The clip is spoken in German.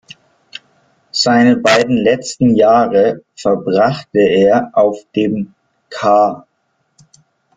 Seine beiden letzten Jahre verbrachte er auf dem „k.